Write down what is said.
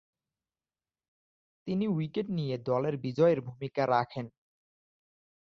তিন উইকেট নিয়ে দলের বিজয়ে ভূমিকা রাখেন।